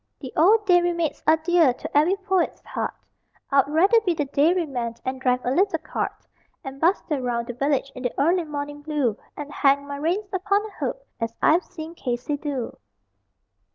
The old time dairy maids are dear to every poet's heart I'd rather be the dairy man and drive a little cart, And bustle round the village in the early morning blue, And hang my reins upon a hook, as I've seen Casey do.